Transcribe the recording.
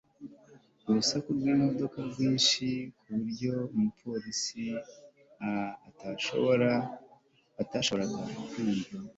Urusaku rwimodoka nyinshi ku buryo umupolisi atashoboraga kumva